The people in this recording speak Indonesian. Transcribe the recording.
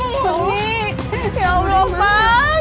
ya allah pan